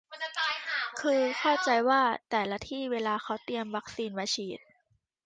คือเข้าใจว่าแต่ละที่เวลาเค้าเตรียมวัคซีนมาฉีด